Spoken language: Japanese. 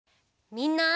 みんな！